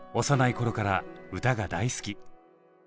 幼い頃から歌が大好き。